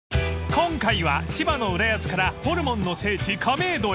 ［今回は千葉の浦安からホルモンの聖地亀戸へ］